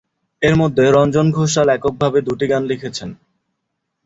এর মধ্যে রঞ্জন ঘোষাল এককভাবে দুটি গান লিখেছেন।